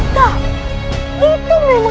itu memang keuntungan aku